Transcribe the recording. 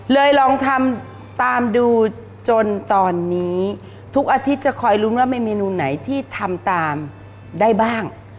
ลองทำตามดูจนตอนนี้ทุกอาทิตย์จะคอยลุ้นว่ามีเมนูไหนที่ทำตามได้บ้าง